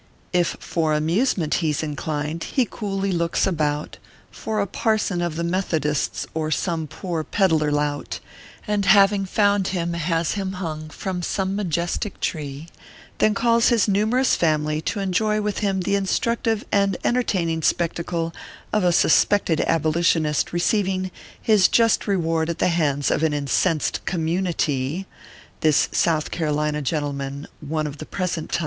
If for amusement he s inclined, he coolly looks about For a parson of the Methodists, or some poor peddler lout ; And having found him, has him hung from some majestic tree Then calls his numerous family to enjoy with hirn the instructive and entertaining spectacle of a "suspected abolitionist" receiving his just reward at the hands of an incensed com mu ni ty This South Carolina gentleman, One of the present time.